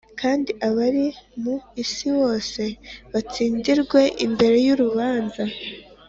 kandi abari mu isi bose batsindirwe imbere y’urubanza